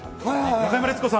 中山律子さん。